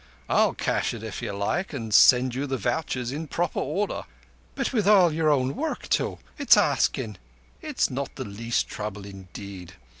I'll cash it if you like, and send you the vouchers in proper order." "But with all your own work too! It's askin'—" "It's not the least trouble indeed.